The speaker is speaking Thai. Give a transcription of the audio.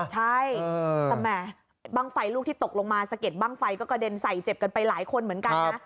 ใช่แต่แหมบ้างไฟลูกที่ตกลงมาสะเด็ดบ้างไฟก็กระเด็นใส่เจ็บกันไปหลายคนเหมือนกันนะ